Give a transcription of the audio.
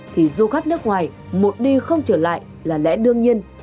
thì du khách nước ngoài một đi không trở lại là lẽ đương nhiên